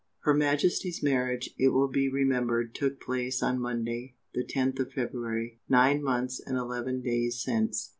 Her Majesty's marriage, it will be remembered, took place on Monday, the 10th of February, nine months and eleven days since.